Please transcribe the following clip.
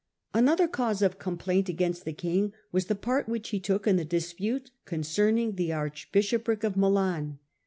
.other cause of complaint against the king was the part which he took in the dispute con cerning the archbishopric of Milan.